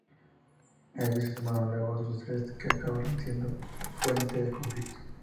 A ellos se sumarán luego otros tres que acabarán siendo fuente de conflictos.